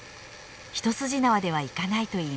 一筋縄ではいかないといいます。